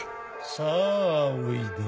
さあおいで。